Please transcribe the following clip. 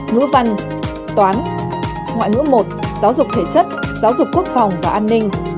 ngữ văn toán ngoại ngữ một giáo dục thể chất giáo dục quốc phòng và an ninh